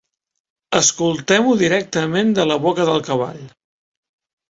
Escoltem-ho directament de la boca del cavall.